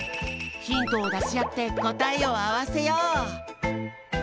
ヒントをだしあってこたえをあわせよう！